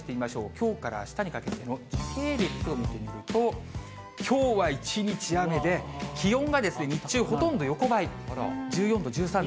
きょうからあしたにかけての時系列を見てみると、きょうは一日雨で、気温が日中ほとんど横ばい、１４度、１３度。